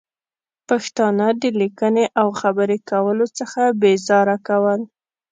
پښتانه د لیکنې او خبرې کولو څخه بې زاره کول